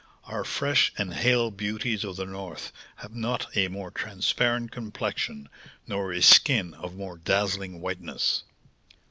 Our fresh and hale beauties of the North have not a more transparent complexion, nor a skin of more dazzling whiteness."